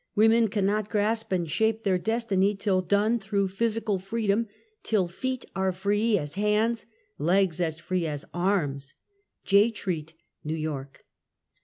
Women cannot grasp and shape their destiny till done through physical freedom, till feet are free as hands, legs as free as arms. J. Treat, New York.